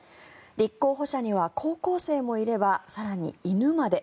立候補者には高校生もいれば更に、犬まで。